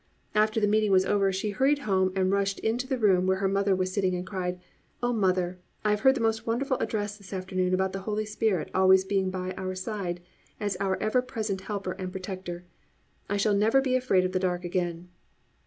After the meeting was over she hurried home and rushed in to the room where her mother was sitting and cried, "O mother, I have heard the most wonderful address this afternoon about the Holy Spirit always being by our side as our ever present helper and protector. I shall never be afraid of the dark again."